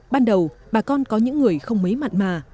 ban đầu bà con có những người không mấy mặn mà